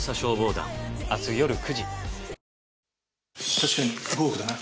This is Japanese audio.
確かに５億だな？